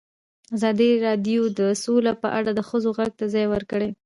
ازادي راډیو د سوله په اړه د ښځو غږ ته ځای ورکړی.